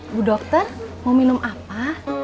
ibu dokter mau minum apa